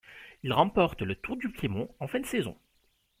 Il remporte le Tour du Piémont en fin de saison.